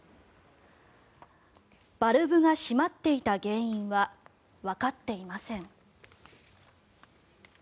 バルブが閉まっていた原因はわかっていません。